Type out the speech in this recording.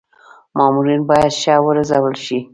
مامورین باید ښه و روزل شي.